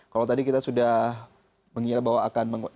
kalau tadi kita sudah mengira bahwa akan